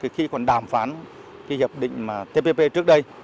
khi còn đàm phán hiệp định cptpp trước đây